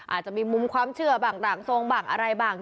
อาจจะมีมุมความเชื่อหลังทรงอะไรบ้าง